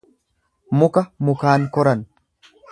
Muka mukaan koran.